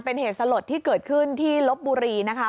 เป็นเหตุสลดที่เกิดขึ้นที่ลบบุรีนะคะ